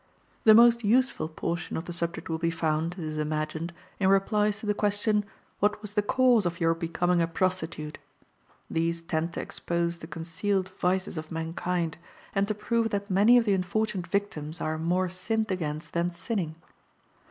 The most useful portion of the subject will be found, it is imagined, in replies to the question, "What was the cause of your becoming a prostitute?" These tend to expose the concealed vices of mankind, and to prove that many of the unfortunate victims are "more sinned against than sinning."